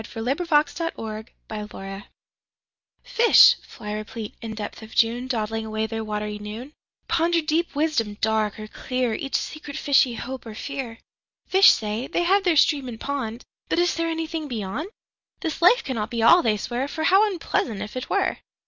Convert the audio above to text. PR 6003 R4N5 Robarts Library 1Fish (fly replete, in depth of June,2Dawdling away their wat'ry noon)3Ponder deep wisdom, dark or clear,4Each secret fishy hope or fear.5Fish say, they have their Stream and Pond;6But is there anything Beyond?7This life cannot be All, they swear,8For how unpleasant, if it were!